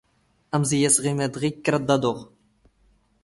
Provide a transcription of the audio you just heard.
ⴰⵎⵥ ⵉⵢⵉ ⴰⵙⵖⵉⵎ ⴰⴷ ⵖⵉⴽⴽ ⵔⴰⴷ ⴷ ⴰⴹⵓⵖ.